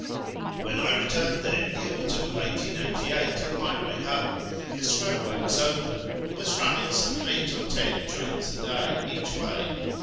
When I returned there in the autumn of 1888 on my way home, this railway was open, and was run ning some eight or ten trains a day each way.